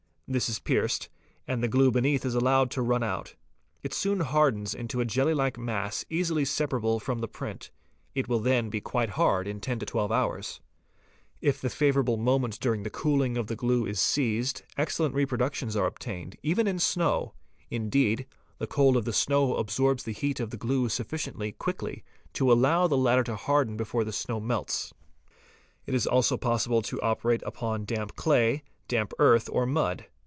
This is pierced, and the glue beneath is allowed to run out. It soon hardens 'into a jelly like mass easily separable from the print; it will be quite hard in 10 12 hours. If the favourable moment during the cooling of the glue is seized excellent reproductions are obtained, even in the snow; leed, the cold of the snow absorbs the heat of the glue sufficiently quickly to allow the latter to harden before the snow melts, It is also Poke eee) at a dS 1M Date OS ask Ae TS. 0 SH MBL 2a a TS lo 544 FOOTPRINTS possible to operate upon damp clay, damp earth, or mud.